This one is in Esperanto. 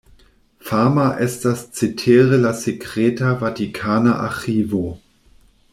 Fama estas cetere la sekreta vatikana arĥivo.